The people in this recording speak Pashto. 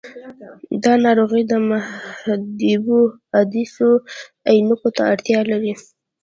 دا ناروغي د محدبو عدسیو عینکو ته اړتیا لري.